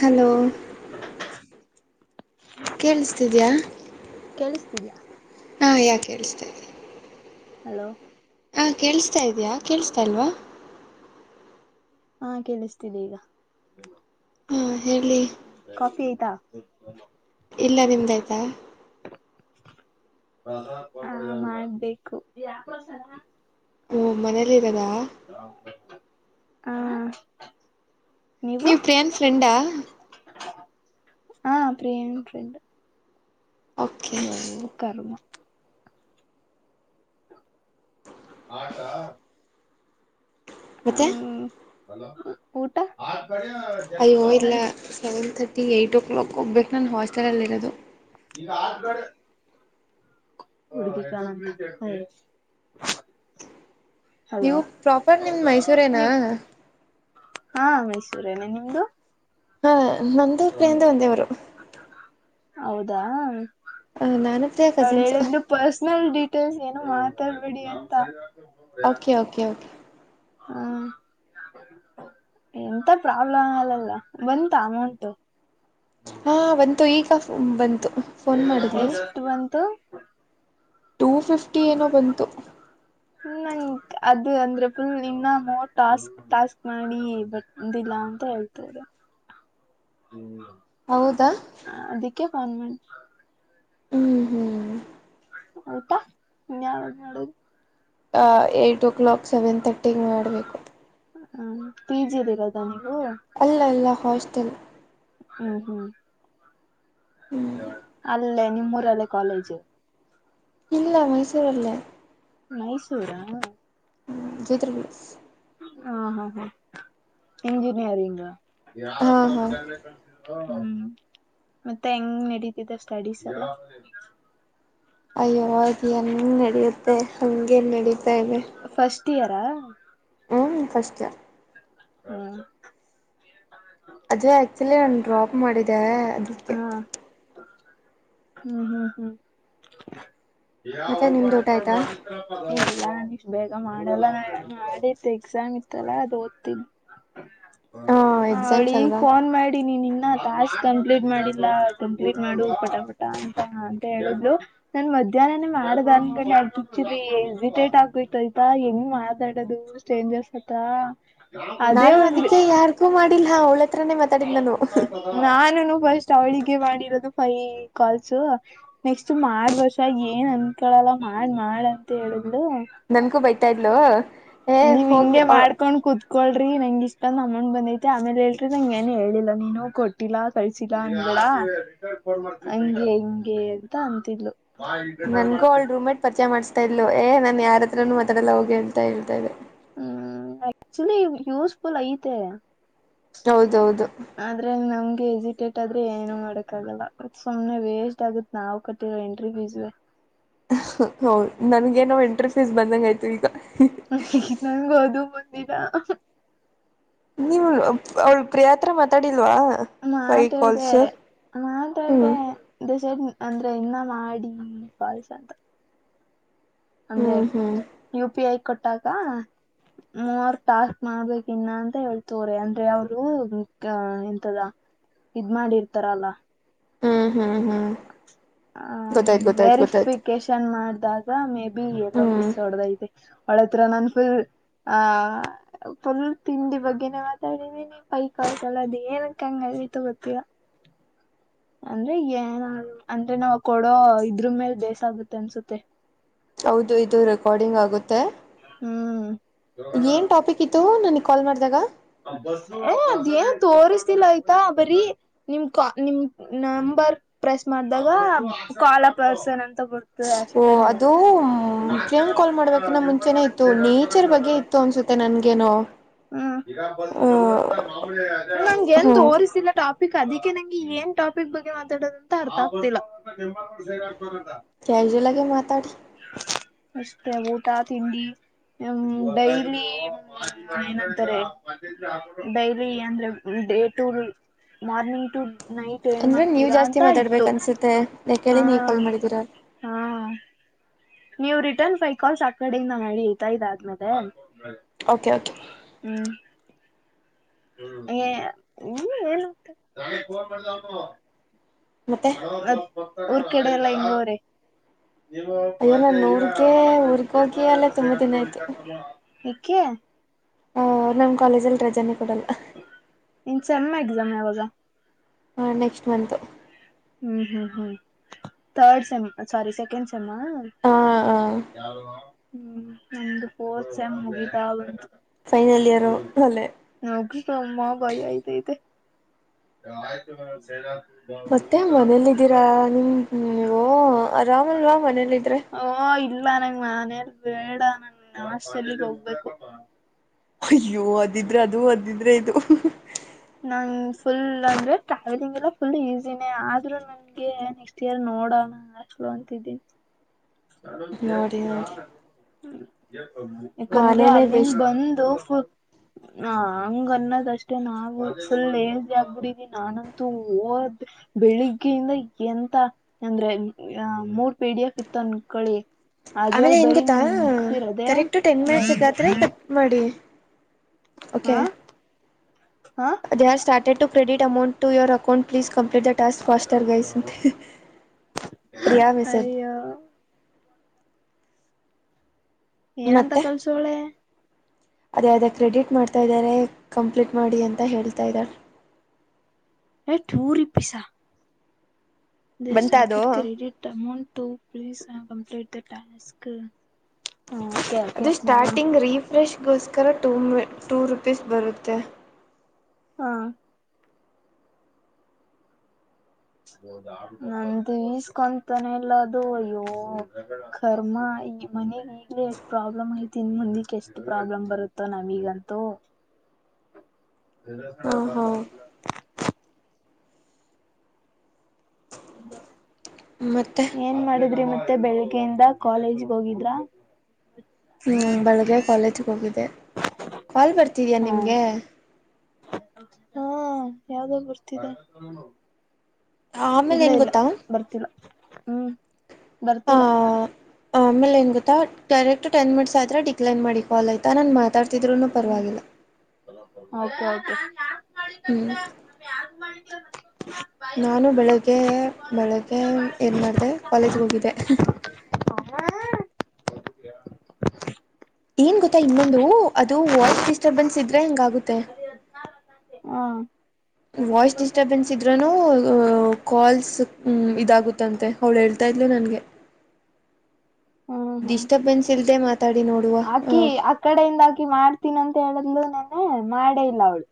Hello ಕೇೇಳಿಸ ಇದಿಯಾ. ಕೇಳಿಸ್ತಿದೀಯಾ ಹಾಂ ಯಾ ಕೇಳಿಸ್ತಾ ಇದೆ. ಹಲೋ ಹಾ ಕೇಳಿಸ್ತಾ ಇದಯಾ ಕೇಳಿಸತಾ ಇಲ್ವಾ. ಹಾ ಕೇಳಿಸ್ತೀಿದೆ ಈಗ ಹಾ ಹೇಳಿ ಕಾಫಿ ತ್ತ ಇಲ್ಲ ನಿಮ್ದಾಯ್ತಾ ಹ ಮಾಡ್ಬೇಕು ಯ ಹ್ಮ್ ಮನೇಲಿ ದಿರಾ ಹಾ ನೀವ್ ಪ್ರಿಯಾನ್ ಫ್ರೆಂಡಾ ಹಾ ಪ್ರಿಯನ್ ಫ್ರೆಂಡ್ ಓಕೆ ಹ ಕರ್ಮ ಆಟಾ ಮತ್ತೆ ಲ ಊಟ ಅಯ್ಯೋ ಇಲ್ಲ ಸವೆನ್ ತರ್ಿ ಎಟ್ ಓ ಕ್ಲಾಕ್ ಹೋಗ್ಬೇಕು ನನ್ನ ಹಾಸ್ಟೆಲಲ್ಲಿ ಇರೋದು [unintelligible] ಹಲೋ ನೀವು ಪ್ರಾಪರ್ ನಿಮ ಮೈಸೂರೇನಾ ನಿಮ್ ಹಾ ಮೈಸೂರೇನೆ ನಿಮ್ದು ಹಾ ನಂದ ಪ್ರಿಯಂದ ಒಂದೇವರು ಹೌದಾ [inaudible] ಸ್ ಏನು ಮಾತಾಡ್ಬೇಡಿ ಅಂತ ಓಕೆ ಓಕೆ ಓಕೆ ಹ್ಮ ಎಂತ ಪ್ರಾಬ್ಲಮ್ ಆಲ್ಲಲ್ಲ ಬಂತ ಅಮೌಂಟು ಹಾ ಒಂತು ಈಗ ಬಂತು ಫೋನ್ ಮಾಡಿದ್ಲು ಎಷ್ಟ ಬಂತು ಟೂ ಫಿಫ್ಟಿ ಏನೋ ಬಂತು ನಂಗ್ ಅದು ಅಂದ್ರೆ ಫುಲ್ ಇನ್ನ ಮೋರ್ ಟಾಸ್ಕ್ ಟಾಸ್ಕ್ ಮಾಡಿ ಬಂದಿಲ್ಲ ಅಂತ ಹೇಳ್ತವರು ಹ್ಮ್ ಹೌದಾ ಹನ್ಮ ಹ್ಮ್ ಹ್ಮ್ ಆಊಂತಾ ಏಯ್ಟ್ ಓ ಕ್ಲಾಕ್ ಸೆವೆನ್ ತಥರ್ಟಿಗೆ ಮಾಡಬೇಕು ಹ ಪಿ ಜಿದ ಇರೋದ [unintelligible] ಅಲ್ಲಲ್ಲ ಅಲ್ಲಲ್ಲ ಹಾಸ್ಟಲ್ ಹ್ಮ ಹ್ಮ ಹ್ಮ್ ಅ ಅಲ್ಲೇ ನಿಮ್ಮೂರಲ್ಲೇ ಕಾಲೇಜು ಇಲ್ಲ ಮೈಸೂರಲ್ಲೇ ಮೈಸೂರ ಜೋತ್ರಿ ಬಿಲ್ಸ್ ಹ ಹಾ ಹಾ ಇಂಜಿನಿಯರಿಂಗ ಹಾ ಯಾರಪ್ಪ ಹಾ ನಮ ತೆ ಕಳ್ಸಿದ್ ಹ್ಮ್ ಮತ್ತೆ ಹೆಂಗ್ ನಡೀತಿದೆ ಸ್ಟಡೀಸ್ ಎಲ್ಲ ಅಯ್ಯೋವಾಗಿ ಹಂಗ ನಡೆಯುತ್ತೆ ಹಂಗಗೆನ್ ನಡಿಯುತ್ತೆ ಸೇವೆ ತಿಯಾರ [unintelligible] ಹ್ಞ ಫಷ್ಟ [unintelligible] ಹ್ಮ ಅದೇ ಆಕ್ಚುಲಿ ನಾನು ಡ್ರಾಪ್ ಮಾಡಿದೆ ಅದಕ್ಕೆ ಹಾ ಹ್ಮ್ ಹ್ಮ್ ಹ್ಮ್ ಮತ್ತೆ ನಿಮ್ದು ಊಟ ಆಯ್ತಾ [unintelligible] ಬೇಗ ಮಾಡಲ್ಲ ಮಾಡಿತ್ತು ಎಕ್ಸಾಮ್ ಇತ್ತಲ್ಲಾ ಅದು ಓದ್ತಿ ಹ ಹ ಹಾ ಎಕ್ಸಾಮ್ಸ್ ಅವಳಿಗ್ ಅಲ್ವಾ ಫೋನ್ ಮಾಡಿನಿ ನಿನ್ನ [unintelligible] ಕಂಪ್ಲೀಟ್ ಮಾಡಿಲ್ಲ ಕಂಪ್ಲೀಟ್ ಮಾಡು ಪಟ ಪಟ ಅಂತ ಅಂತ ಹೇಳಿದ್ರು ನನ್ ಮಧ್ಯಾಹ್ನನೇ ಮಾಡದ ಎಚುಲಿ ಇರಿಟೇಟ್ ಆಗೋಯತ ಆಯ್ತಾ ಹೆಂಗ್ ಮಾಡಾಡೋದು ಸ್ಟ್ರೈಜ್ಞರ್ಸ್ ಹತ್ರ ಅದೇ ನಾನು ಒಂದ್ ಅದಕ್ಕೆ ಯಾರ್ಗೂ ಮಾಡಿಲ್ಲ ಹಾ ನಾನುನು ಫಸ್ಟ್ ಅವಳಿಗೆ ಮಾಡಿರೋದು ಫೈ ಕಾಲ್ಸ್ ನೆಕ್ಸ್ಟ್ ಮಾಡ ವರ್ಷ ಏನ್ ಅಂದಕಳಲ್ಲ ಮಾಡ್ ಮಾಡ ಅಂತ ಹೇಳುದು ನನ್ಕು ಬೈತಾ ಇದ್ಲೂ ನೀವ್ ಇಂಗೆ ಮಾಡ್ಕೊಂಡ್ ಕೂತ್ ಕೊಳ್ರೀ ನಂಗ್ ಇಷ್ಟೊಂದ್ ಅಮೌಂಟ್ ಬಂದೈತೆ ಆಮೇಲೆ ಹೇಳ್ರಿ ನಂಗ್ ಏನೂ ಹೇಳಿಲ್ಲ ನೀನು ಕೊಟ್ಟಿಲ್ಲ ಕಳ್ಸಿಲ್ಲಾ ಅನ್ಬೇಡ [unintelligible] ಹಂಗೆ ಹಿಂಗೆ ಅಂತ ಅಂತಿದ್ಲು. ನನ್ಗು ಅವ್ಳ್ ರೂಮ್ ಮೇಟ್ ಪರ್ಚಯ ಮಾಡ್ಸ್ ತಯಿದ್ಳು ಏ ನಾನ್ ಯಾರತ್ರನು ಮಾತಡಲ್ಲ ಹೋಗೆ ಅಂತ ಹೇಳ್ತಾಇದ್ದೆ. ಹ್ಮೂ ಆಕ್ಚ್ಯುಲ್ಲಿ ಯೂಸ್ಫುಲ್ ಐತೆ ಹೌದು ಹೌದು. ಹೆಸಿಟೇಟ್ ಆದ್ರೆ ಏನು ಮಾಡಕ್ಕಾಗಲ್ಲ ಮತ್ ಸುಮ್ನೆ ವೇಸ್ಟ್ ಆಗತ್ ನಾವ್ ಕಟ್ಟಿರೋ ಎಂಟ್ರಿ ಫೀಸು [unintelligible] ಹೌದ್ ನನ್ಗ್ ಏನೋ ಎಂಟ್ರಿ ಫೀಸ್ ಬಂದಂಗ್ ಆಯ್ತು ಈಗ. [unintelligible] ನನ್ಗೂ ಅದೂ ಬ ಬೀಗ [unintelligible] ನೀವುಳ್ ಅವ್ಳ್ ಪ್ರಿಯಾ ಹತ್ರ ಮಾತಾಡಿ ಮಾತಾಡ್ದೇ ಹ್ಮ್ ಮಾತಾಡ್ದೇ [unintelligible] ಜಬ್ನ್ ಅಂದ್ರೆ ಇನ್ನ ಮಾಡೀ ಕಾಲ್ಸ್ ಅಂತ. ಅಂದ್ರೆ, ಹ್ಮ್ ಹ್ಮ್ ಯು ಪಿ ಐ ಕೊಟ್ಟಾಗ ಮೂವರ್ ಟಾಸ್ಕ್ ಮಾಡ್ಬೇಕಿನ್ನ ಅಂತ ಹೇಳ್ತವ್ರೆ ಅಂದ್ರೆ ಅವರೂ ಎಂತದ ಇದ್ ಮಾಡಿರ್ತಾರಲ್ಲ ಹ್ಮ್ ಹ್ಮ್ ಹ್ಮ್ ಆ ಗೊತ್ತಾಯ್ತು ಗೊತ್ತಾಯ್ತು ಗೊತ್ತಾಯ್ತು ವೆರಿಫಿಕೇಶನ್ ಮಾಡ್ ದಾಗ ಮೇಬ್ ಬಿ ಎಲ್ಲೋ ಹ್ಮ್ ಮಿಸ್ ಒಡ್ದೈತೆ. ಅವ್ಳತ್ರ ನಾನ್ ಫುಲ್ ಆ ಫುಲ್ ತಿಂಡಿ ಬಗ್ಗೆನೆೇ ಮಾತಾಡಿದಿನಿ ಫೈ ಕಾಲ್ಸ್ ಅಲ್ ಅದ್ ಏನಂತ ಅಂಗಾಗೈತೋ ಗೊತ್ತಿಲ್ಲ. ಅಂದ್ರೆ ಏನಾದ್ರೂ ಅಂದ್ರೆ ನಾವ್ ಕೊಡೋ ಇದ್ರ್ ಮೇಲ್ ಬೇಸ್ ಆಗುತ್ತೆ ಅನ್ಸುತ್ತೆ. ಹೌದು ಇದು ರೆಕಾರ್ಡಿಂಗ್ ಆಗುತ್ತೆ. ಹ್ಮೂ. ಏನ್ ಟಾಪಿಕ್ ಇತ್ತು ನನಿಗ್ ಕಾಲ್ ಮಾಡ್ದಾಗ. [unintelligible] ಏ ಅದೇನ್ ತೋರಸ್ತಿಲ್ಲ ಆಯ್ತಾ ಬರೀ ನಿಮ್ ಕಾ ನಿಮ್ number press ಮಾಡ್ದಾಗಾ [unintelligible] call a person ಅಂತ್ ಓ ಅದುೂ ಪ್ರಿಯಾಂಕ್ ಕಾಲ್ ಮಾಡ್ಬೇಕನ್ನ ಮುಂಚೆನೇ ಇತ್ತು ನೇಚರ್ ಬಗ್ಗೆ ಇತ್ತು ಅನ್ಸುತ್ತೆ ನನ್ಗೇನೋ ಈ ನಂಗೆ ಹಾ ಎಂತೋರಿಸಿಲ್ಲ ಟಾಪ್ [inaudible] ಅದ ನಂಗೆ ಏನ್ ಟಾಪಿಕ್ ಬಗ್ಗೆ ಮಾತಾಡೋದು ಅಂತ ಅರ್ಥ ಆಗ್ತಿಲ್ಲ ಕ್ಯಾಜುಲ್ ಆಗಿ ಮಾತಾಡಿ ಅಷ್ಟೇ ಊಟ ತಿಂಡಿ ಡೈಲಿ ಏನ್ ಅಂಥರೆ ಡೈಲಿ ಅಂದ್ರೆ ಡೇ ಟ ಮಾರ್ನಿಂಗ್ ಟು [inaudible] ಏನ್ ಅಂದ್ರೆ ನೀವ ಮಾಡ್ತೀರಾ ಜಾಸ್ತಿ ಅಂತ ಮಾತಾಡ್ಬೇಕ ಇತ್ತು ಅನ್ಸುತ್ತೆ ಯಾಕೇಳಿ ನೀವ ಕಾಲ್ ಹಾ ಮಾಡಿದೀರ ನೀವು್ ರಿಟರ್ನ್ ಫೈವ್ ಕಾಲ್ಸ್ ಆ ಕಡೆಯಿಂದ ನಡಿ ಇತಾ ಇದ ಆದ್ಮೇಲೆೇ ಓಕೆ ಓಕೆ ಹ್ಮ್ ಮ [inaudible] ಮತ್ತೆ ಹ ಕಡಲ್ಲ ಇಂಗೋರೆ ನೀವು ಅಯ್ಯೋ ನಾನು ಪಂಚಾಯಗ ಊರ್ಗೆ ಊರ್ಗ ಹೋಗಿ ಎಲ್ಲ ಅಲ್ಲೇ ಸ ತುಂಬಾ ದಿನ ಹ ಯಾಕೆ ಆಹ ನಮ್ ಕಾಲೇಜ ಅಲ್ಲಿ ರಜಾನ ಕೊಡಲ್ಲ ಸೇಮ್ ಎಕ್ಸಾಮ್ ಯಾವಾಗ ಹ ನೆಕ್ಸ್ಟ್ ಮಂತ್ ಹ್ಮ್ ಹ್ಮ್ ಹ್ಮ್ ಥರ್ಡ್ ಸೇಮ್ [unintelligible] ಹಾ ಹಾ ಯಾರು ಹ್ಮ್ ನಂದ್ ಪೋರ್ಸಮ್ ಮುಗಿತ ಬಂತು ಫೈನಲ್ ಇಯರು ಅಲ್ಲೆ ಹಮ್ಮ ಬೈ ಆಯತೆ ಐತೆಯ್ [unintelligible] [unintelligible] ಮನೇಲ್ಲಿದ್ದೀರಾ ನಿಮ ನೀವು ರಾಮಲ್ವಾ ಮನೇಲ್ಲ ಇದ್ರೆ ಓ ಇಲ್ಲ ನಂಗ್ ಮನೇಲ್ ಬೇಡ ನನ್ ನಮಷ್ಟಲ್ಲಿಗ್ ಹೋಗ್ಬೇಕು ಅಯ್ಯೋ ಅದಿದ್ರೆ ಅದು ಅದಿದ್ರೆ ಇದು ನನ್ ಫುಲ್ ಅಂದ್ರೆ ಟ್ರಾವೆಲಿಂಗ್ ಎಲ್ಲ ಫುಲ್ ಈಸಿನೇ ಆದ್ರೂ ನನ್ಗೆ ನೆಕ್ಸ್ಟ್ ಇಯರ್ ನೋಡೋಣ ಸ್ಲೋ ಅಂತಿದ್ದೀನಿ ದೋ ನೋಡಿ ಜಯಪುರಾ ನೋಡಿ ನ [unintelligible] ಹ [unintelligible] ಯಾಕಂದ್ರೆ ಮನೇನೇ ಅಲ್ಲಿಂದ ಬೆಸ್ಟ್ ಬಂದು ಫುಲ್ ಹ ಹಂಗ ಅನ್ನದ್ಷ್ಟೇ ನಾವ ಸುಲ್ ಎಳ್್ದಿ ಆಗ್ಬಿಡೀಿ ನಾನಂತೂ ಹೋದ ಬೆಳಿಗ್ಗೆಯಿಂದ ಎಂತ ಅಂದ್ರೆ ಮೂರ್ ಪೇ ಡಿ ಎಫ್ ಇತ್ತ ಅನ್ಕಳಿ ಆಮೇಲೆ ಏನ್ ಗೊತ್ತಾ ಕರೆಕ್ಟ್ ಟೆನ್ ಒಂದು ಮಿನಿಟ್ಸ್ಗಾದ್ರೆ ಕಟ್ ಮಾಡಿ ಓಕೆ ಹ ಹ ಅದು ಯಾರ್ ಸ್ಟಾರ್ಟ್ ತೆಟ್ಟು credit amount account please complete the task faster guys Priya ಮಸರ್ ಅಯ್ಯೋ ಏನಂತ ಮತ್ತೆ ಕಲ್ಸೋಳೆ ಅದೇ ಅದೇ ಕ್ರೆಡಿಟ್ ಮಾಡ್ ತದಾರೆ ಕಂಪ್ಲೀಟ್ ಮಾಡಿ ಅಂತ ಹೇಳ್ತಾ ಇದಾರೆ ಯೆ ಟೂ ರೂಪಿಸ ಆ ದೇ ಬಂತ ಅದು ಸ್ಟ್ಟೆಡ್ credit amount two rupees let task ಅದು ಸ್ಟಾರ್ಟಿಂಗ್ ರೀಫ ಫ್ರೆಶ್ಗೋಸ್ಕರ ಟೂ ಮ ಟೂ ರುಪೀಸ್ ಬರುತ್ತೆ. ಹಾ ನ್ದ ವಸ್ಕೊಂತಾನಲ್ಲ ಅದು ಅಯ್ಯೋ ಕರ್ಮ ಈ ಮನೆಗ್ ಈಗ್ಲ ಎಷ್ಟ್ ಪ್ರಾಬ್ಲಮ್ ಐತಿ ಇನ್ ಮುಂದಿಕ್ಕೆ ಎಷ್ಟ್ ಪ್ರಾಬ್ಲಮ್ ಬರುತ್ತ ನಮೀಗಂತೂ ಹಾಂ ಹಾಂ [unintelligible] [inaudible] [unintelligible] ಮತ್ತೆ ಏನ್ ಮಾಡಿದ್ರಿ ಮತ್ತೆ ಮತ್ತೆ ಬೆಳಿಗ್ಗೆಯಿಂದ ಕಾಲೇಜ್ಗೆ ಹೋಗಿದ್ರ ಹ್ಮ ಬೆಳಗ್ಗೆ ಕಾಲೇಜಿಗೆ ಹೋಗಿದ್ದೆ ಕಾಲ್ ಬರ್ತಿದಯಾ ಹಾ ನಿಮಗೆ ಹಾ ಯಾವ್ದೋ ಬರ್ತಿದೆ ಆಮೇಲೆ ಇಲ್ಲ ಏನು ಇಲ್ಲ ಗೊತ್ತಾ ಬರ್ತಿಲ್ಲ ಹ್ಮ್ ಬರ್ತಿಲ್ಲ ಆಮೇಲೆ ಏನ್ ಗೊತ್ತಾ ಡೈರೆಕ್ಟ್ ಟೆನ್ ಮಿಟ್ಸ್ ಆದ್ರೆ ಡಿಕ್ಲೈರ್ ಮಾಡಿ ಕಲ್ ಆಯತು ತನು ಮಾತಾಡ್ತಿದ್ರೂ ಪರವಾಗಿಲ್ಲ ಹಾ ಹ [unintelligible] ಹ್ಮ್ [unintelligible] ನಾನು ಬೆಳೆದ ಕೆ ಬೇಳಗ್ ಬೆಳಗೆ ಏನ್ ಮಾಡಿದೆ ಕಾಲೇಜ್ಗೆ ಹೋಗಿದ್ದೆ ಏನ್ ಗೊತ್ತಾ ಇನ್ನೊಂದು ಅದು ವಾಯ್ಸ್ ಡಿಸ್ಟರ್ಬನ್ಸ್ ಇದ್ರೆ ಹೆಂಗಾಗುತ್ತೆ ಹಾ ವಾಯ್ಸ್ ಡಿಸ್ಟರ್ಬೆನ್ಸ್ ಇದ್ರೂ ಕಾಲ್ಸ್ ಇದಾಗುತ್ತಂತೆ ಅವಳು ಹೇಳ್ತಾ ಇದ್ಲು ನನಗೆ ಹ್ಮ್ ಹ್ಮ್ ಡಿಸ್ಟರ್ಬೆನ್ಸ್ ಇಲ್ದೆ ಮಾತಾಡಿ ನೋಡುವ ಹಾಕಿ ಮಾಡ್ತೀನಿ ಅಂತ ಹೇಳದ್ಲು ನನ್ನೆ ಮಾಡೇ ಇಲ್ಲ ಅವ್ಳು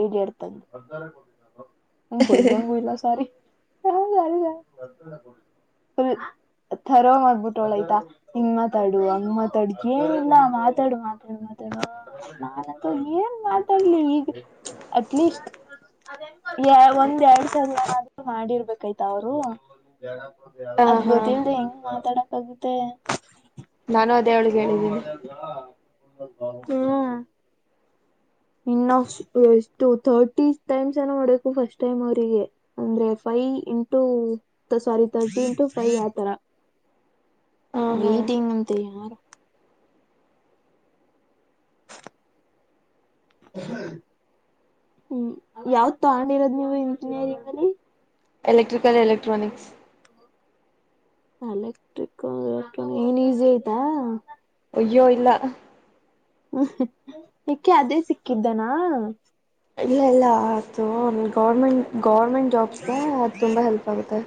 ಇಡಿಯಾಟ್ [unintelligible] ಉ ಗುದಿಯಂಗು ಎಲ್ಲಾ ಸಾರಿ [unintelligible] ಫುಲ್ ತರೋ ಆಗ್ಬುಟ್ಟವ್ಳ್ ಆಯ್ತಾ ಇಂಗ್ ಮಾತಾಡು ಅಂಗ್ ಮಾತಾಡು ಏನಿಲ್ಲ ಮಾತಾಡು ಮಾತಾಡು ಮಾತಾಡು ನಾನಂತೂ ಏನ್ ಮಾತಾಡ್ಲಿ ಈಗ್ ಅಟ್ಲೀಸ್ಟ್, ಏ ಒಂದ್ ಎರ್ಡ್ ಸರಿ [unintelligible] ಆದ್ರೂ ಮಾಡಿರ್ಬೇಕಾಯ್ತ್ ಅವರೂ ಹಾಂ ಅದ್ ಹಾಂ ಗೊತಿಲ್ದೆ ಹೆಂಗ್ ಮಾತಾಡ ಮತ್ತೆ ನಾನು ಅದೇ ಅವಳ್ಗ್ ಹೇಳಿದ್ದೀನಿ. ಹ್ಮುಅ. ಇನ್ [unintelligible] ಎಷ್ಟು ತರ್ಟಿ ಟೈಮ್ಸ್ ಏನೋ ಮಾಡ್ಬೇಕು ಫಸ್ಟ್ ಟೈಮ್ ಅವರಿಗೆ ಅಂದ್ರೆ ಫೈ್ ಇಂಟೂ ತ ಸಾರಿ ತರ್ಟಿ ಇಂಟು ಫೈ ಆತರ, ಹಾಂ ಹಾಂ ವೇಟಿಂಗ್ ಅಂತೆ ಯಾರೋ ಹ್ಮ್, ಯಾವ್ದ್ ತಗಂಡಿರೋದ್ ನೀವು ಇಂಜಿನಿಯರಿಂಗಲ್ಲಿ? Electrical electronics. ಯಲೆಕ್ಟ್ರಿಕಲ್ ಎಲೆಕ್ಟ್ರಾನ್ ಏನ್ ಈಸಿ ಅಯ್ತಾ? ಅಯ್ಯೋ ಇಲ್ಲ. [unintelligible] ಯಕೆ ಅದೇ ಸಿಕ್ಕಿದ್ದನಾ? ಇಲ್ಲ ಇಲ್ಲ ಆ [unintelligible] ಗೌರ್ಮೆಂಟ್ ಗೌರ್ಮೆಂಟ್ ಜಾಬ್ಸ್ಗೆ ಅದ್ ತುಂಬಾ ಹೆಲ್ಪ್ ಆಗುತ್ತೆ.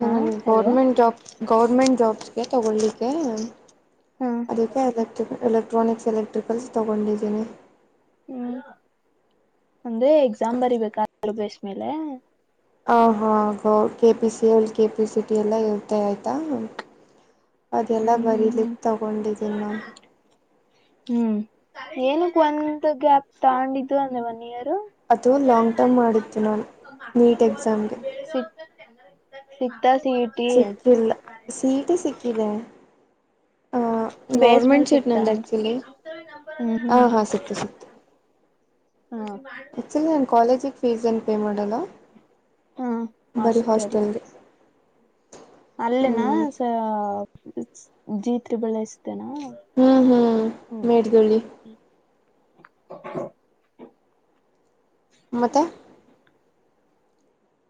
ಹಾ ನನಿಗ್ ಹಲೋ ಗೌರ್ಮೆಂಟ್ ಜಾಬ್ ಗೌರ್ಮೆಂಟ್ ಜಾಬ್ಸ್ಗೆ ತಗೊಳ್ಲಿಕ್ಕೆ ಹ್ಮ್ ಅದಕ್ಕೆ ಎಲೆಕ್ಟ್ರಿಕ್ ಎಲೆಕ್ಟ್ರಾನಿಕ್ಸ್ ಎಲೆಕ್ಟ್ರಿಕಲ್ಸ್ ತಗೊಂಡಿದ್ದೀನಿ. ಹ್ಮ್ ಒಂದೇ ಎಕ್ಸಾಮ್ ಬರಿಬೇಕ [unintelligible] ಬೇಸ್ ಮೇಲೆ? ಆಹಾ ಹೌದ್ K P C L K P C T ಎಲ್ಲ ಇರತ್ತೆ ಆಯ್ತಾ? ಅದೆಲ್ಲ ಹ್ಮ್ ಹ್ಮ್ ಹ್ಮ್ ಬರೀಲಿಕ್ ತಗೊಂಡಿದ್ದೀನ್ ನಾನ್ ಹ್ಮ್ ಏನಕ್ ಒಂದ್ ಗ್ಯಾಪ್ ತಗಂಡಿದ್ದು ಅಂದ್ರೆ ಒನ್ ಇಯರ್ ಅದೂ ಲಾಂಗ್ ಟರ್ಮ್ ಮಾಡಿದ್ದು ನಾನು ನೀಟ್ ಎಕ್ಸಾಮ್ಗೆ. [unintelligible] ಸಿಕ್ಕಿಲ್ಲ, ಸೀಯಿಟಿ ಸಿಕ್ಕಿದೆ. ಹ್ಞಾಂ ಬೇಸ್ ಮೇಲ್ ಗೌರ್ಮೆಂಟ್ ಸೀಟ್ ಸಿಕ್ತಾ ನಂದ್ ಅಂತ ಆ್ಯಕ್ಚುಲಿ ಹ್ಮ್ ಹಾ ಹ್ಮ್ ಹಾ ಸಿಕ್ತು ಸಿಕ್ತು. ಹ ಆಕ್ಚುಲಿ ನಾನ್ ಕಾಲೇಜಿಗ್ ಫೀಸ್ ಏನ್ ಪೇ ಮಾಡ್ ಹಲೋ ಹಾ ಬರಿ ಹಾಸ್ಟೆಲ್ ಗೆ ಅಲ್ಲೆನಾ ಸ [unintelligible] ಹ್ಮ್ ಹ್ಮ್ ಹ್ಮ್ ಮೇಟ್ಗಳ್ಳಿ [unintelligible] ಮತ್ತೆ